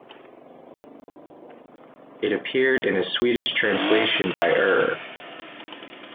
It appeared in a Swedish translation by Er.